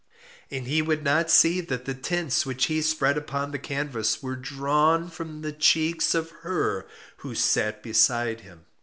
And he would not see that the tints which he spread upon the canvas were drawn from the cheeks of her who sate beside him.